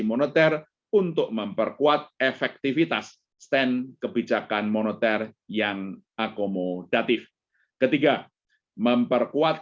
moneter untuk memperkuat efektivitas stand kebijakan moneter yang akomodatif ketiga memperkuat